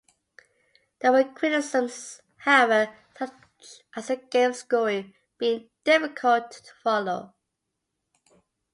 There were criticisms, however, such as the game's scoring being difficult to follow.